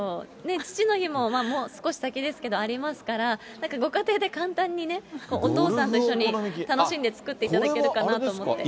父の日ももう少し先ですけど、ありますから、なんかご家庭で簡単にね、お父さんと一緒に楽しんで作っていただけるかなと思って。